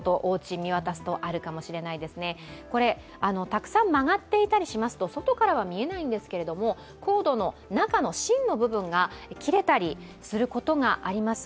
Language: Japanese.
たくさん曲がっていたりしますと外からは見えないんですけれども、コードの中の芯の部分が切れたりすることがあります。